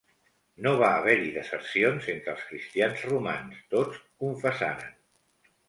No va haver-hi desercions entre els cristians romans, tots confessaren.